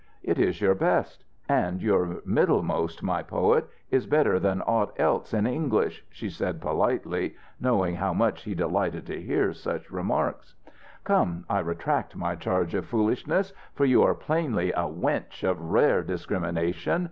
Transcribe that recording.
"It is your best. And your middlemost, my poet, is better than aught else in English," she said, politely, and knowing how much he delighted to hear such remarks. "Come, I retract my charge of foolishness, for you are plainly a wench of rare discrimination.